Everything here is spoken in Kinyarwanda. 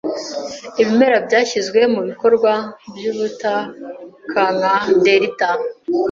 Ibimera byashyizwe mubikorwa byubutakanka delita